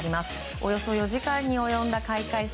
およそ４時間に及んだ開会式。